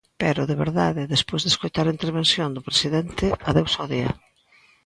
Pero, de verdade, despois de escoitar a intervención do presidente, adeus ao día.